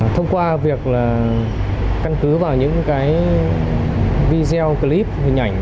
thông qua việc là căn cứ vào những cái video clip hình ảnh